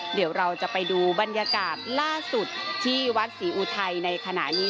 เดี๋ยวเราจะไปดูบรรยากาศล่าสุดที่วัดศรีอุทัยในขณะนี้